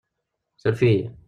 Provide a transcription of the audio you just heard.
Suref-iyi!